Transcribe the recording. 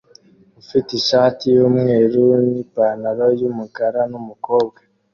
ufite ishati yumweru nipantaro yumukara numukobwa